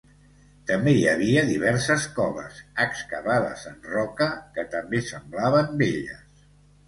També hi havia diverses coves, excavades en roca, que també semblaven velles.